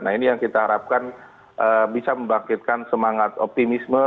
nah ini yang kita harapkan bisa membangkitkan semangat optimisme